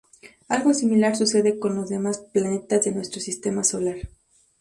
Algo similar sucede con los demás planetas de nuestro sistema solar.